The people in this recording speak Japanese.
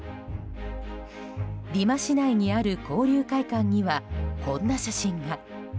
リマ市内にある交流会館にはこんな写真が。